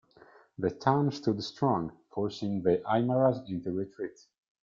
The town stood strong, forcing the Aymaras into retreat.